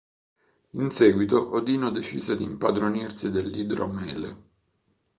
In seguito Odino decise di impadronirsi dell'idromele.